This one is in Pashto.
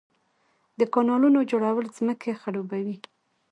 د کانالونو جوړول ځمکې خړوبوي.